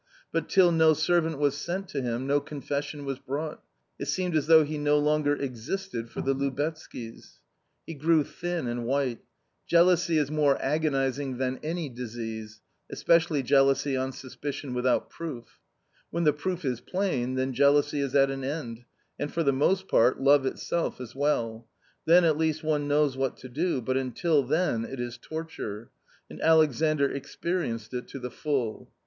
But till no servant was sent to him, no confession was brought ; it seemed as though he no longer existed for the Lubetzkys. He grew thin and white. Jealousy is more agonising than any disfinyy, espULlilliy^ealousy on suspicion without proof. When the proof is plain, then jealousy is at an end, and, for the most part, love itself as well ; then at least one knows what to do, but until then it is torture ! And Alexandr experienced it to the full.